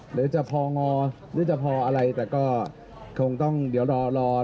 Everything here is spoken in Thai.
หรือจะพองอหรือจะพออะไรแต่ก็คงต้องเดี๋ยวรอ